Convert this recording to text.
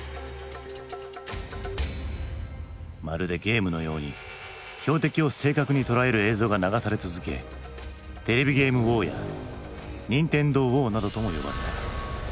まるでゲームのように標的を正確に捉える映像が流され続けテレビゲームウォーやニンテンドーウォーなどとも呼ばれた。